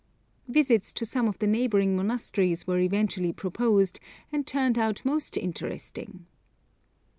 Visits to some of the neighbouring monasteries were eventually proposed, and turned out most interesting.